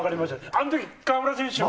あのとき、河村選手は？